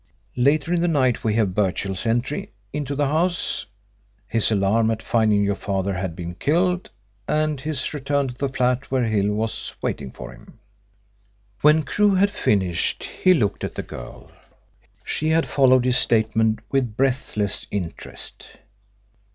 Later in the night we have Birchill's entry into the house, his alarm at finding your father had been killed, and his return to the flat where Hill was waiting for him." When Crewe had finished he looked at the girl. She had followed his statement with breathless interest.